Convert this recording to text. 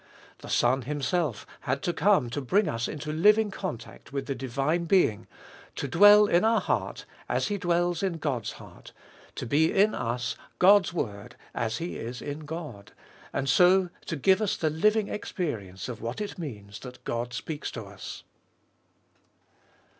The Son Himself had to come to bring us into living contact with the divine Being, to dwell in our heart, as He dwells in God's heart, to be in us God's word as He is in God, and so to give us the living experience of what it means that God speaks to us.